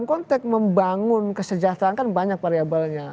konteks membangun kesejahteraan kan banyak variabelnya